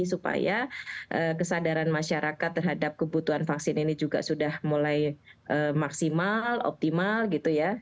supaya kesadaran masyarakat terhadap kebutuhan vaksin ini juga sudah mulai maksimal optimal gitu ya